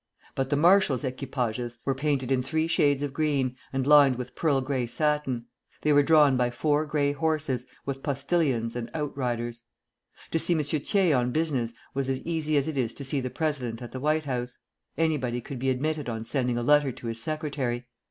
But the marshal's equipages were painted in three shades of green, and lined with pearl gray satin. They were drawn by four gray horses, with postilions and outriders. To see M. Thiers on business was as easy as it is to see the President at the White House. Anybody could be admitted on sending a letter to his secretary.